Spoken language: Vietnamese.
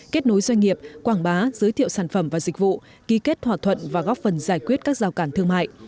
kết nối doanh nghiệp quảng bá giới thiệu sản phẩm và dịch vụ ký kết thỏa thuận và góp phần giải quyết các rào cản thương mại